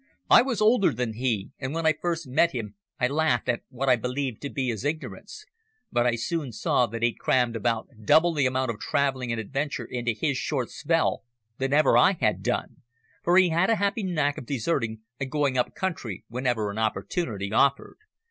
I was older than he, and when I first met him I laughed at what I believed to be his ignorance. But I soon saw that he'd crammed about double the amount of travelling and adventure into his short spell than ever I had done, for he had a happy knack of deserting and going up country whenever an opportunity offered.